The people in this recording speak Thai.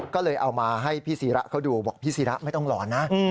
ก็เลยเอามาให้พี่ศิระเขาดูบอกพี่ศิระไม่ต้องหลอนนะ